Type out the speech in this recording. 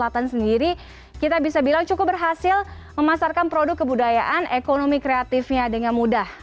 terima kasih panggap semidah